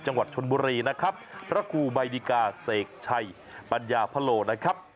จังหวัดชนบุรีนะครับพระครูใบดิกาเสกชัยปัญญาพะโลนะครับ